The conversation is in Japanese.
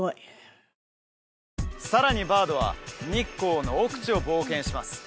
さらにバードは日光の奥地を冒険します